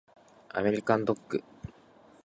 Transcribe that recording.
アメリカンドッグ